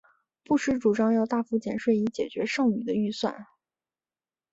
布什主张要大幅减税以解决剩余的预算。